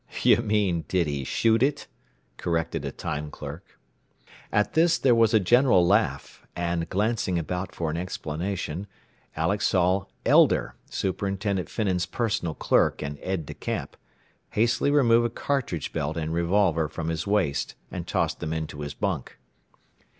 "You mean, 'did he shoot it?'" corrected a time clerk. At this there was a general laugh, and glancing about for an explanation, Alex saw Elder, Superintendent Finnan's personal clerk and aide de camp, hastily remove a cartridge belt and revolver from his waist and toss them into his bunk.